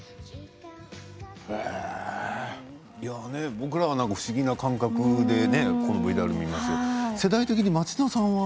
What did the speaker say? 僕らは不思議な感覚でこのＶＴＲを見ましたけど世代的に町田さんは？